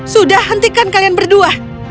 sudah hentikan kalian berdua